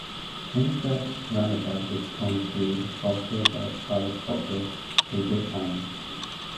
Kings Gap roundabout is home to a sculpture by Scottish sculptor David Annand.